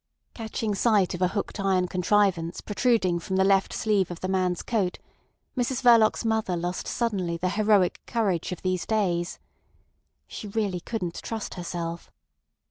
Catching sight of a hooked iron contrivance protruding from the left sleeve of the man's coat, Mrs Verloc's mother lost suddenly the heroic courage of these days. She really couldn't trust herself.